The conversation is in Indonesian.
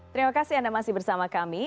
terima kasih anda masih bersama kami